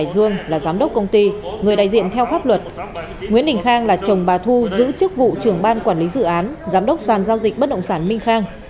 đại diện theo pháp luật nguyễn đình khang là chồng bà thu giữ chức vụ trưởng ban quản lý dự án giám đốc sàn giao dịch bất động sản minh khang